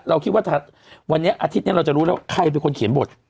เราคิดว่าวันนี้อาทิตย์นี้เราจะรู้แล้วใครเป็นคนเขียนบท